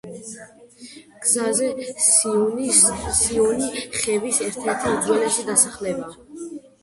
გზაზე სიონი ხევის ერთ-ერთი უძველესი დასახლებაა.